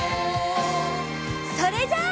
それじゃあ。